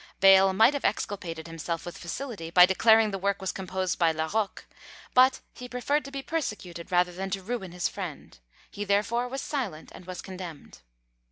Bayle might have exculpated himself with facility, by declaring the work was composed by La Roque; but he preferred to be persecuted rather than to ruin his friend; he therefore was silent, and was condemned.